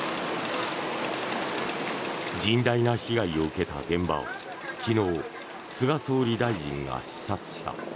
甚大な被害を受けた現場を昨日、菅総理大臣が視察した。